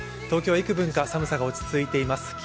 東京はいくぶんか寒さは落ち着いています。